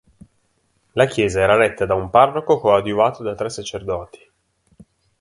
La chiesa era retta da un parroco coadiuvato da tre sacerdoti.